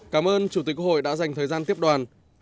cảm ơn chủ tịch quốc hội đã dành thời gian tiếp đoàn